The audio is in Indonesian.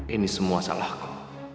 ini semua salahku